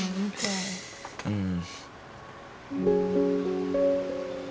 うん。